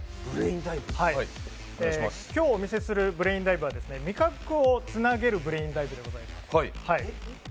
今日お見せするブレインダイブは味覚をつなげるブレインダイブでございます。